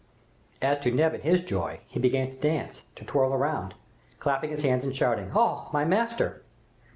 As to Neb in his joy, he began to dance, to twirl round, clapping his hands and shouting, "Oh! my master!"